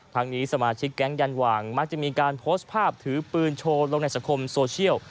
ทั้งนี้สมาชิกแก๊งยันหว่างมักจะมีการโพสต์ภาพถือปืนโชว์ลงในสังคมโซเชียล